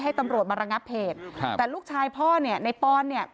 ตำรวจมาระงับเหตุครับแต่ลูกชายพ่อเนี่ยในปอนเนี่ย